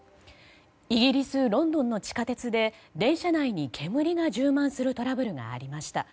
イギリス・ロンドンの地下鉄で電車内に煙が充満するトラブルがありました。